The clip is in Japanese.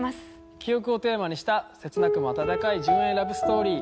記憶をテーマにした切なくも暖かい純愛ラブストーリー。